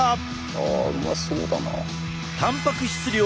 あうまそうだな！